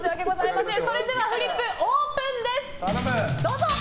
それではフリップオープンです！